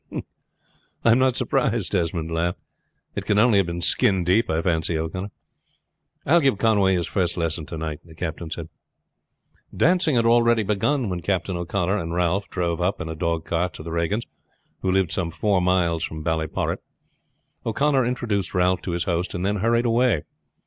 "I am not surprised," Desmond laughed; "it can only have been skin deep, I fancy, O'Connor." "I will give Conway his first lesson to night," the captain said. Dancing had already begun when Captain O'Connor and Ralph drove up in a dog cart to the Regans', who lived some four miles from Ballyporrit. O'Connor introduced Ralph to his host, and then hurried away.